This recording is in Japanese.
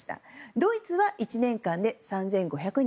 ドイツは１年間で３５００人